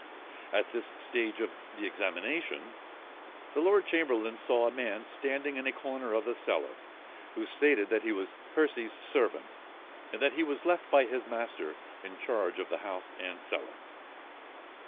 At this stage of the examination, the lord chamberlain saw a man standing in a corner of the cellar, who stated that he was Percy's servant, and that he was left by his master in charge of the house and cellar.